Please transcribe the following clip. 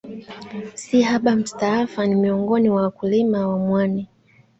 Sihaba Mustafa ni miongoni mwa wakulima wa mwani